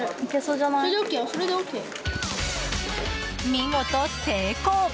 見事、成功！